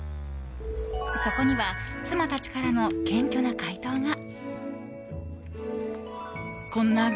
そこには妻たちからの謙虚な回答が。